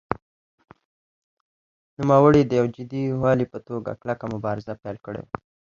نوموړي د یو جدي والي په توګه کلکه مبارزه پیل کړې وه.